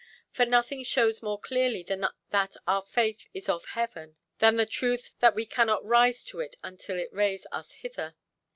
For nothing shows more clearly that our faith is of heaven, than the truth that we cannot rise to it until it raise us thither.